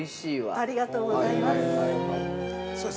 ◆ありがとうございます。